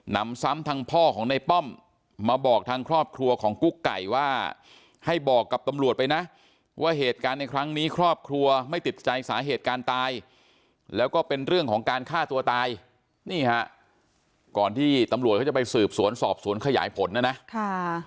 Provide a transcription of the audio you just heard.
นำซ้ำทางพ่อของในป้อมมาบอกทางครอบครัวของกุ๊กไก่ว่าให้บอกกับตำรวจไปนะว่าเหตุการณ์ในครั้งนี้ครอบครัวไม่ติดใจสาเหตุการตายแล้วก็เป็นเรื่องของการฆ่าตัวตายนี่ฮะก่อนที่ตำรวจเขาจะไปสืบสวนสอบสวนขยายผลนะนะค่ะ